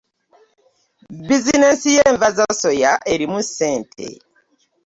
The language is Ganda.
Bizinesi y'enva za soya erimu ssente.